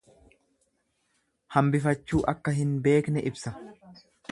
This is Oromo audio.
Hambifachuu akka hin beekne ibsa.